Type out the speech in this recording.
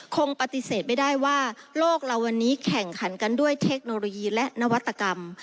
คงปฏิเสธไม่ได้ว่าโลกเราวันนี้แข่งขันกันด้วยเทคโนโลยีและนวัตกรรม